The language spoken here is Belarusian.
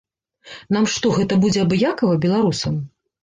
Нам што, гэта будзе абыякава, беларусам?